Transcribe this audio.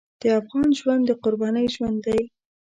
د افغان ژوند د قربانۍ ژوند دی.